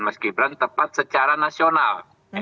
mas gibran tepat secara nasional